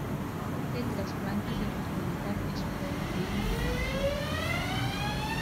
Té tres plantes i en l'actualitat és perfectament habitable.